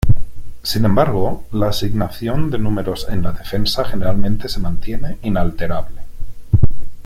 Sin embargo, la asignación de números en la defensa generalmente se mantiene inalterable.